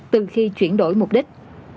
từ khi chuyển đổi mục đích